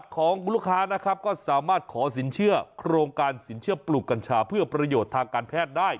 ก็สามารถขอสินเชื่อโรงการสินเชื่อปลูกกัญชาเพื่อประโยชน์ทางการแพทย์ได้